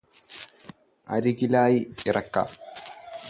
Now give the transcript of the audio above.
അരികിലായി ഇറക്കാം